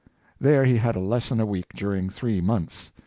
There he had a lesson a week dur ing three months.